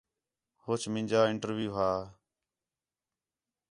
ہوچ مینجا انٹرویو ہا